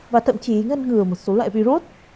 và thậm chí ngăn ngừa một số loại virus